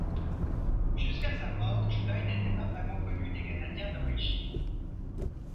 Jusqu’à sa mort, Chu Lai n’était pas vraiment connu des Canadiens d’origine.